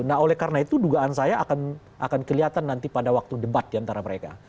nah oleh karena itu dugaan saya akan kelihatan nanti pada waktu debat diantara mereka